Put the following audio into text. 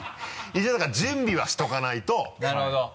一応だから準備はしておかないとなるほど。